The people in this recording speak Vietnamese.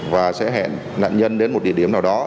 và sẽ hẹn nạn nhân đến một địa điểm nào đó